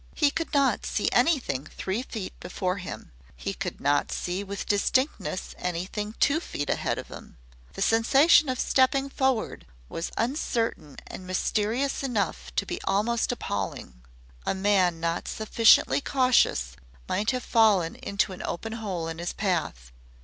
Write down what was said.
He could not see anything three feet before him, he could not see with distinctness anything two feet ahead. The sensation of stepping forward was uncertain and mysterious enough to be almost appalling. A man not sufficiently cautious might have fallen into any open hole in his path.